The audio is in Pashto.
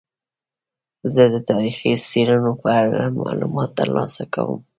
زه د تاریخي څیړنو په اړه معلومات ترلاسه کوم.